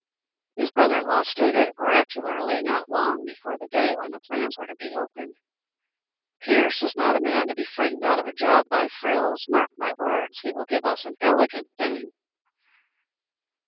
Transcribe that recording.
His brother in law stated oracularly not long before the day when the plans were to be opened: "Pierce is not a man to be frightened out of a job by frills. Mark my words; he will give us an elegant thing."